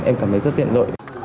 em cảm thấy rất tiện lợi